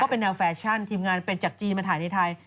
เป็นแนวแฟชั่นทีมงานเป็นจากจีนมาถ่ายในไทย